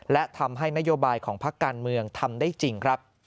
และทำให้นโยบายของพักการเมืองทำได้จริงครับ